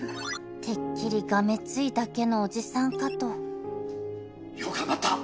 てっきりがめついだけのおじさんかとよう頑張った。